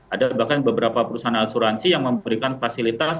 ada bahkan beberapa perusahaan asuransi yang memberikan fasilitas